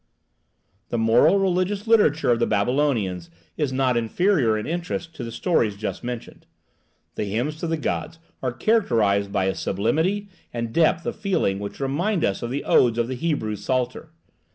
The moral religious literature of the Babylonians is not inferior in interest to the stories just mentioned. The hymns to the gods are characterized by a sublimity and depth of feeling which remind us of the odes of the Hebrew Psalter.